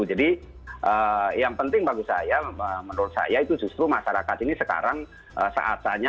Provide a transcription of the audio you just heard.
jadi yang penting bagi saya menurut saya itu justru masyarakat ini sekarang saatannya